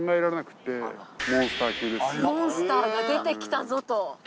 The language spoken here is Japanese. モンスターが出てきたぞと。